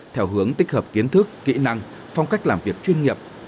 theo hướng tích hợp kiến thức kỹ năng phong cách làm việc chuyên nghiệp